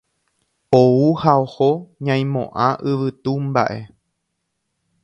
Ou ha oho ñaimo'ã yvytu mba'e.